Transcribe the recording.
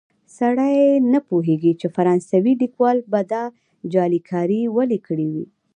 سړی نه پوهېږي چې فرانسوي لیکوال به دا جعلکاري ولې کړې وي.